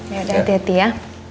yaudah hati hati ya